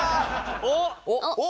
おっ！